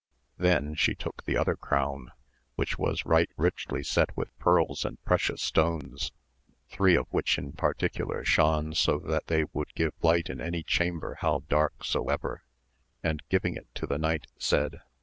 Then she took the other crown, which was right richly set with pearls and precious stones, three of which in particular shone 296 AMADIS OF OAWL so that they would give light in any chamber how dark soever, and giving it to the knight said